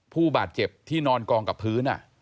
ผู้บาดเจ็บที่นอนกองกับพื้น